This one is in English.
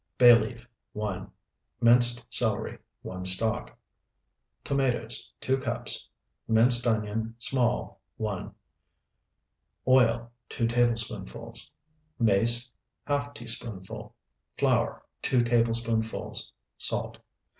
Bay leaf, 1. Minced celery, 1 stalk. Tomatoes, 2 cups. Minced onion, small, 1. Oil, 2 tablespoonfuls. Mace, ½ teaspoonful. Flour, 2 tablespoonfuls. Salt.